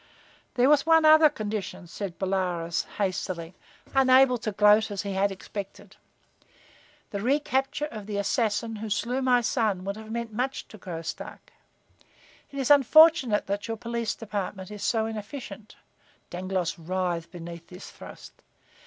"There was one other condition," said Bolaroz, hastily, unable to gloat as he had expected. "The recapture of the assassin who slew my son would have meant much to Graustark. It is unfortunate that your police department is so inefficient." Dangloss writhed beneath this thrust.